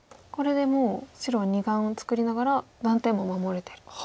これでもう白は２眼を作りながら断点も守れてる。